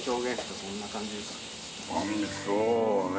そうね。